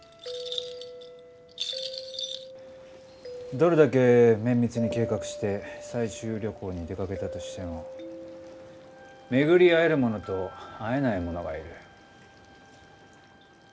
どれだけ綿密に計画して採集旅行に出かけたとしても巡り会える者と会えない者がいる。